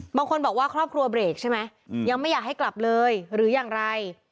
บางคนบอกว่าครอบครัวเบรกใช่ไหมยังไม่อยากให้กลับเลยหรืออย่างไร